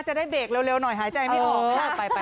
จะได้เบรกเร็วหน่อยหายใจไม่ออกไหมล่ะ